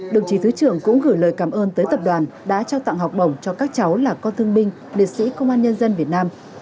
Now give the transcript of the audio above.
đồng chí thứ trưởng cũng gửi lời cảm ơn tới tập đoàn đã trao tặng học bổng cho các cháu là con thương binh liệt sĩ công an nhân dân việt nam